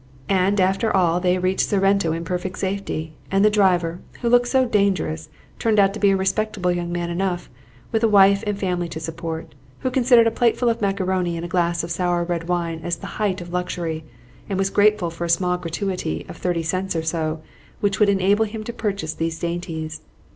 And after all they reached Sorrento in perfect safety; and the driver, who looked so dangerous, turned out to be a respectable young man enough, with a wife and family to support, who considered a plateful of macaroni and a glass of sour red wine as the height of luxury, and was grateful for a small gratuity of thirty cents or so, which would enable him to purchase these dainties.